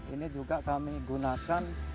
ini juga kami gunakan